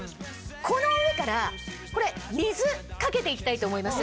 この上からこれ水かけていきたいと思います。